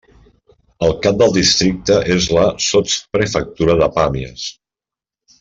El cap del districte és la sotsprefectura de Pàmies.